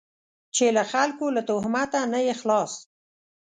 چې له خلکو له تهمته نه یې خلاص.